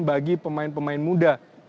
bagi pemain pemain muda